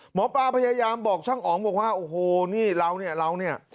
หมอปลาพยายามบอกช่างอ๋องบอกว่าโอ้โหนี่เราเนี่ยเราเนี่ย